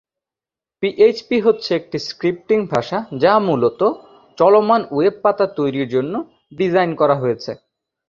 PHP হচ্ছে একটি scripting ভাষা যা মূলতঃ চলমান ওয়েব পাতা তৈরির জন্য ডিজাইন করা হয়েছে।